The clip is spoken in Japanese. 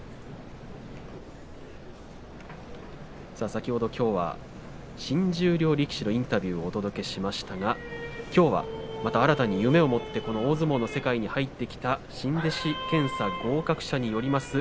先ほど土俵は新十両力士のインタビューをお届けしましたが、きょうは新たに夢を持って大相撲の世界に入っていた新弟子検査合格者によります